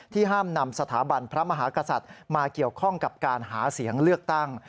ห้ามนำสถาบันพระมหากษัตริย์มาเกี่ยวข้องกับการหาเสียงเลือกตั้ง